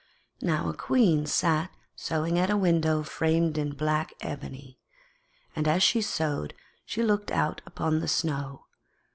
Now, a Queen sat sewing at a window framed in black ebony, and as she sewed she looked out upon the snow.